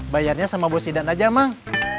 bayarnya sama bos idan aja mang